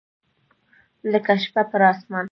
لکه شپه پر اسمان